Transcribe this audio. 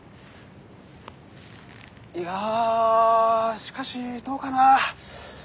いやしかしどうかな。